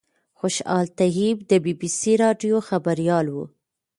خوشحال طیب د بي بي سي راډیو خبریال و.